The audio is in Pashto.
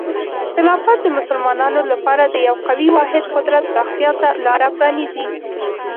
خلافت د مسلمانانو لپاره د یو قوي واحد قدرت پراختیا ته لاره پرانیزي.